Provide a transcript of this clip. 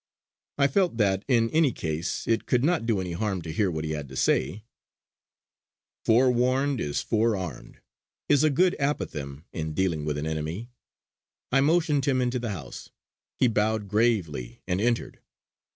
I felt that, in any case, it could not do any harm to hear what he had to say: 'Forewarned is forearmed' is a good apothegm in dealing with an enemy. I motioned him into the house; he bowed gravely and entered.